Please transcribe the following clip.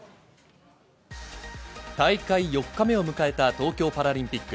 大会４日目を迎えた東京パラリンピック。